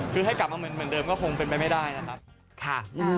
คือให้กลับมาเหมือนเดิมก็คงเป็นไปไม่ได้นะครับ